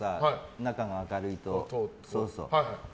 中が明るいと。